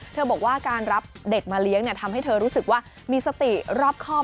บอกว่าการรับเด็กมาเลี้ยงทำให้เธอรู้สึกว่ามีสติรอบครอบ